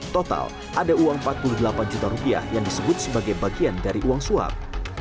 total ada uang empat puluh delapan juta rupiah yang disebut sebagai bagian dari uang suap